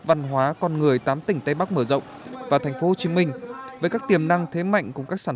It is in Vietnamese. văn hóa con người tám tỉnh tây bắc mở rộng và tp hcm với các tiềm năng thế mạnh cùng các sản